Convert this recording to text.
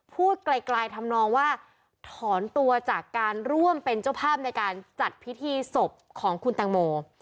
พูดไกลทำนองว่าถอนตัวจากการร่วมเป็นเจ้าภาพในการจัดพิธีศพของคุณแตงโม